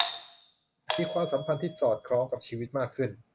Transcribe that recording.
มีความสัมพันธ์ที่สอดคล้องกับชีวิตมากขึ้น